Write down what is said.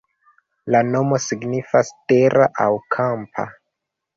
La nomo signifas tera aŭ kampa.